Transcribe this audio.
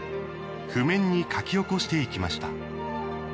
譜面に書き起こしていきました。